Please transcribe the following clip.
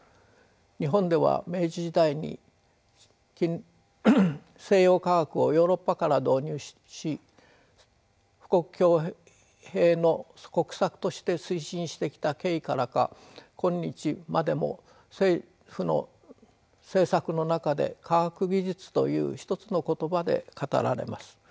日本では明治時代に西洋科学をヨーロッパから導入し富国強兵の国策として推進してきた経緯からか今日までも政府の政策の中で「科学技術」という一つの言葉で語られます。